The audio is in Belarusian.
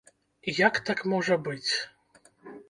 Як так можа быць?